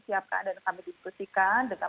siapkan dan kami diskusikan dengan